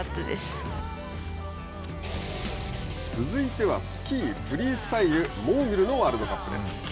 続いてスキーフリースタイルモーグルのワールドカップ。